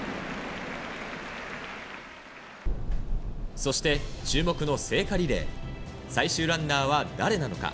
そして注目の聖火リレー、最終ランナーは誰なのか。